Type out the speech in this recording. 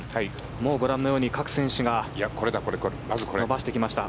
もうご覧のように各選手が伸ばしてきました。